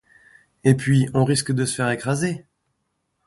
Et puis, on risque de se faire écraser!